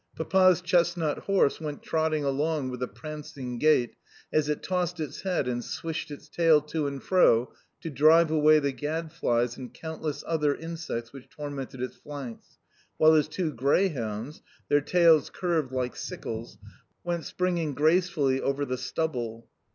Papa's chestnut horse went trotting along with a prancing gait as it tossed its head and swished its tail to and fro to drive away the gadflies and countless other insects which tormented its flanks, while his two greyhounds their tails curved like sickles went springing gracefully over the stubble.